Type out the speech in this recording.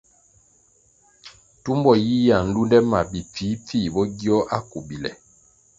Tumbo yiyia nlunde ma bi pfihpfih bo gio akubile.